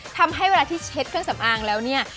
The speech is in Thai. ทำให้เวลาที่เช็ดเครื่องสำอางแล้วเนี่ย